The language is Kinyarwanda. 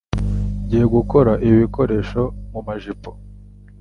Ngiye gukora ibi bikoresho mumajipo.